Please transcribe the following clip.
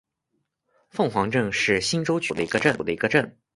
凤凰镇是新洲区下属的一个镇。